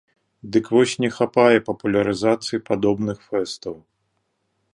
Дык вось не хапае папулярызацыі падобных фэстаў.